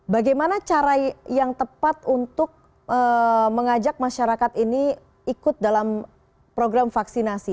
bagaimana cara yang tepat untuk mengajak masyarakat ini ikut dalam program vaksinasi